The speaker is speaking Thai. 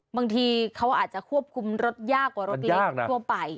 บางทีเขาอาจจะควบคุมรถยากกว่ารถเล็กทั่วไป